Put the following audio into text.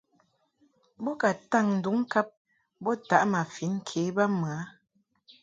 Bo ka taŋ nduŋ ŋkab bo taʼ ma fin ke bab mɨ a.